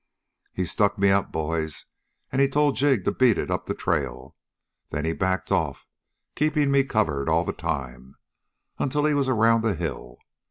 "He stuck me up, boys, and he told Jig to beat it up the trail. Then he backed off, keeping me covered all the time, until he was around the hill.